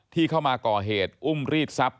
ที่เข้ามาก่อเหตุอุ้มรีดทรัพย